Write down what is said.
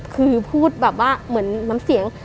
คือพูดแบบว่าเหมือนน้ำเสียง